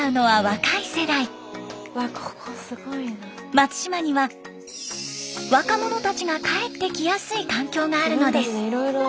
松島には若者たちが帰ってきやすい環境があるのです。